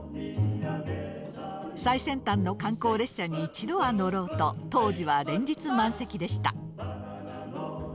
最先端の観光列車に一度は乗ろうと当時は連日満席でした。